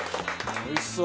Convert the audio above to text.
おいしそう！